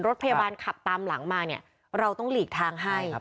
รถพยาบาลขับตามหลังมาเนี่ยเราต้องหลีกทางให้